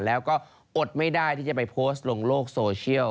แล้วก็อดไม่ได้ที่จะไปโพสต์ลงโลกโซเชียล